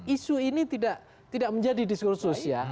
isu ini tidak menjadi diskursus ya